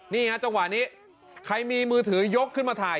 นี่ฮะจังหวะนี้ใครมีมือถือยกขึ้นมาถ่าย